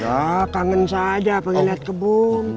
ya kangen saja pengen lihat kebun